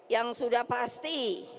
yang sudah pasti